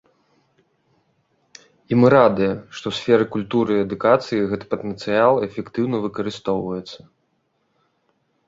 І мы радыя, што ў сферы культуры і адукацыі гэты патэнцыял эфектыўна выкарыстоўваецца.